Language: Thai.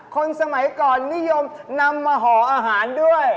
คนสมัยก่อนนิยมนำมาห่ออาหารด้วย